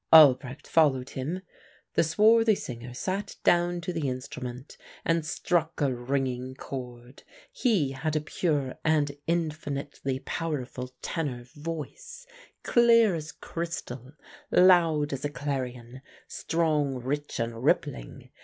"Albrecht followed him. The swarthy singer sat down to the instrument and struck a ringing chord. He had a pure and infinitely powerful tenor voice, clear as crystal, loud as a clarion, strong, rich, and rippling.